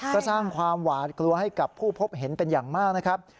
ก็สร้างความหวาดกลัวให้กับผู้พบเห็นเป็นอย่างมากนะครับ